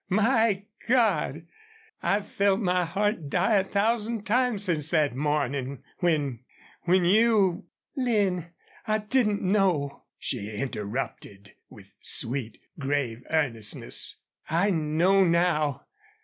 ... My God! ... I've felt my heart die a thousand times since that mornin' when when you " "Lin, I didn't know," she interrupted, with sweet, grave earnestness. "I know now!"